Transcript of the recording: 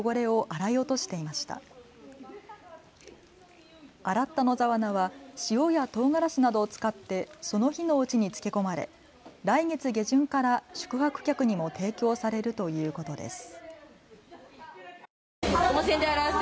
洗った野沢菜は塩やとうがらしなどを使ってその日のうちに漬け込まれ来月下旬から宿泊客にも提供されるということです。